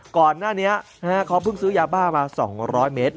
ก่อนหน้านี้เขาเพิ่งซื้อยาบ้ามา๒๐๐เมตร